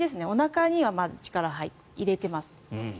おなかにはまず力を入れています。